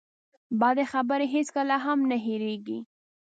بدې خبرې هېڅکله هم نه هېرېږي.